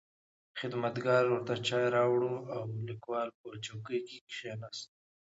خدمتګار ورته چای راوړ او لیکوال په چوکۍ کې کښېناست.